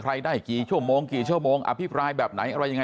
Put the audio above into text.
ได้กี่ชั่วโมงกี่ชั่วโมงอภิปรายแบบไหนอะไรยังไง